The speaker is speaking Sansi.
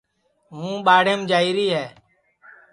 ہوں ٻاڑیم جائیری ہے